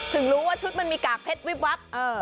ถึงรู้ว่าชุดมันมีกากเพชรวิบวับ